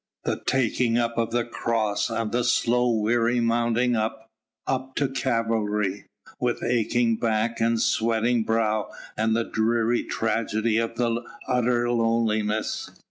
the taking up of the cross and the slow, weary mounting up, up to Calvary, with aching back and sweating brow and the dreary tragedy of utter loneliness.